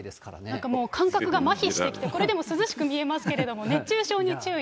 なんかもう感覚がまひしてきて、これでも涼しく見えますけれども、熱中症に注意。